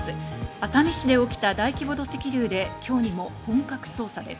熱海市で起きた大規模土石流で、今日にも本格捜査です。